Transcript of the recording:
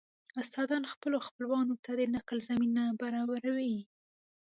استادان خپلو خپلوانو ته د نقل زمينه برابروي